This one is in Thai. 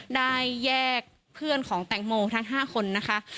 ได้แยกเพื่อนของแตงโมทั้ง๕คนนะคะ